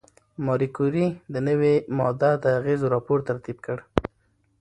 ماري کوري د نوې ماده د اغېزو راپور ترتیب کړ.